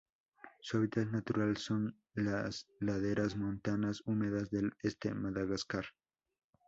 Su hábitat natural son las laderas montanas húmedas del este Madagascar.